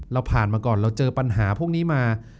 เราผ่านมาก่อนเราเจอปัญหาพวกนี้มา